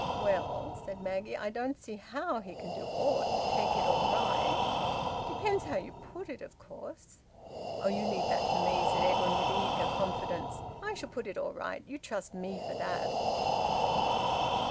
"Well," said Maggie, "I don't see how he can do aught but take it all right... Depends how you put it, of course." "Oh, you leave that to me!" said Edwin, with eager confidence. "I shall put it all right. You trust me for that!"